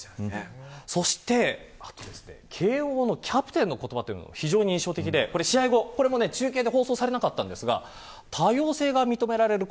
そして慶応のキャプテンの言葉というのが非常に印象的で試合後、これも中継で放送されなかったんですが。